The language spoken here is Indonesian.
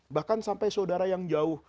bahkan sampai saudara yang jauh